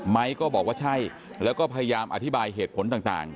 ก็บอกว่าใช่แล้วก็พยายามอธิบายเหตุผลต่าง